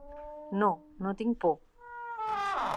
No, no tinc por.